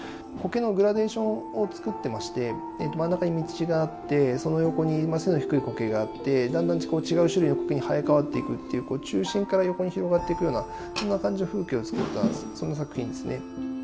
苔のグラデーションを作ってまして真ん中に道があってその横に低い苔があってだんだんこう違う種類の苔に生え替わっていくっていう中心から横に広がっていくようなそんな感じの風景を作ったそんな作品ですね。